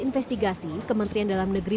investigasi kementerian dalam negeri